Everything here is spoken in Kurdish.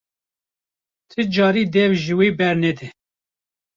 Ti carî dev ji wê bernede!